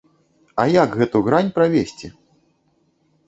А як гэту грань правесці?